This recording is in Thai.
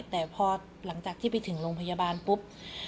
แต่พอหลังจากที่ไปถึงโรงพยาบาลปุ๊บ